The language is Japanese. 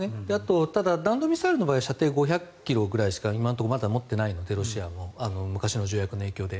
ただ、弾道ミサイルの場合は射程５００ｋｍくらいしか今のところ持ってないので昔の条約の影響で。